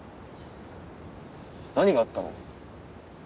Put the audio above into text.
何があったの？